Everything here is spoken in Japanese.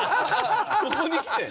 ここにきて？